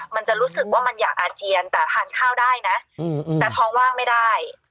มันจะรู้สึกว่ามันอยากอาเจียนแต่ทานข้าวได้นะแต่ท้องว่างไม่ได้